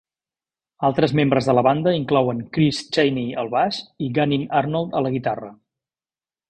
Altres membres de la banda inclouen Chris Chaney al baix i Gannin Arnold a la guitarra.